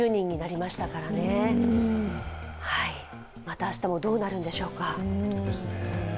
また明日もどうなるんでしょうか。